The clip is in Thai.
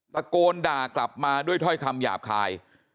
ตะโกนด่ากลับมาด้วยถ้อยคำหยาบคาย